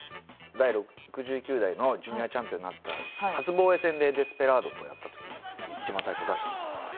第６９代のジュニアチャンピオンになった初防衛戦でデスペラードとやった時に一番最初に出したんです。